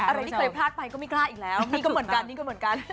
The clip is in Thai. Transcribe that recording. อะไรที่เคยพลาดไปก็ไม่กล้าอีกแล้วนี่ก็เหมือนกันนี่ก็เหมือนกัน